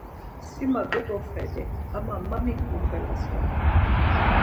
Si ma dogoxeli ama ma mik moxelasen?